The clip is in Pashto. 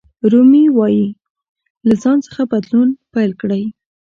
رومي وایي له ځان څخه بدلون پیل کړئ.